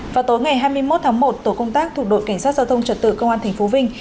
vào tối ngày hai mươi một tháng một tổ công tác thuộc đội cảnh sát giao thông trật tự công an tp vinh